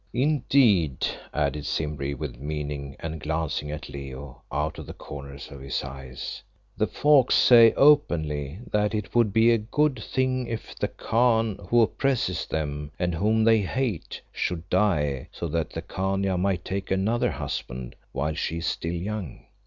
"Indeed," added Simbri, with meaning, and glancing at Leo, out of the corners of his eyes, "the folk say openly that it would be a good thing if the Khan, who oppresses them and whom they hate, should die, so that the Khania might take another husband while she is still young.